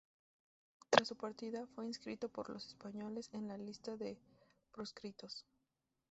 Tras su partida, fue inscrito por los españoles en la lista de proscritos.